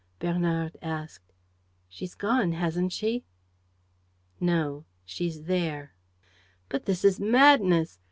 Bernard asked: "She's gone, hasn't she?" "No, she's there." "But this is madness!